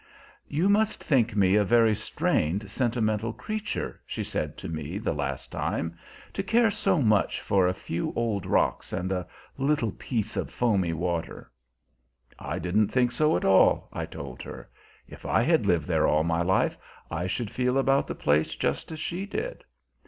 "You must think me a very strained, sentimental creature," she said to me the last time, "to care so much for a few old rocks and a little piece of foamy water." I didn't think so at all, I told her. If I had lived there all my life, I should feel about the place just as she did.